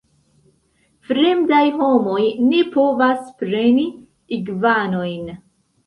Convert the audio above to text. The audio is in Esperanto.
Fremdaj homoj ne povas preni igvanojn.